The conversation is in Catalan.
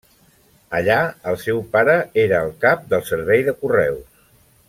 Allà el seu pare era el cap del servei de correus.